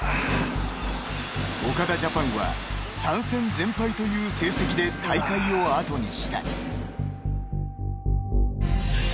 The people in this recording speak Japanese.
［岡田ジャパンは３戦全敗という成績で大会を後にした］